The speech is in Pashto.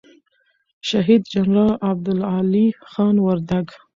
شهید جنرال عبدالعلي خان وردگ